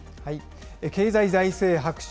経済財政白書。